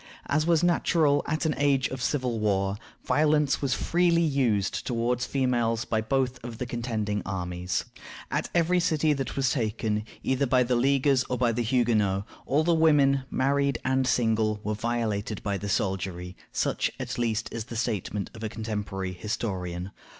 As was natural at an age of civil war, violence was freely used toward females by both of the contending armies. At every city that was taken, either by the Leaguers or the Huguenots, all the women, married and single, were violated by the soldiery; such, at least, is the statement of a contemporary historian.